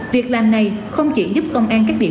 việc làm này không chỉ giúp công an